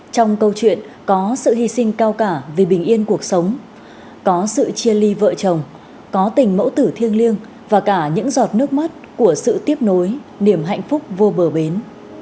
trong câu chuyện có sự hy sinh cao cả vì bình yên cuộc sống có sự chia ly vợ chồng có tình mẫu tử thiêng liêng và cả những giọt nước mắt của sự tiếp nối niềm hạnh phúc vô bờ bến